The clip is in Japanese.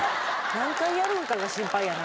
何回やるのかが心配やな